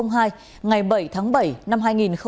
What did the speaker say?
ngày bảy tháng bảy năm hai nghìn hai mươi